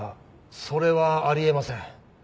それはあり得ません。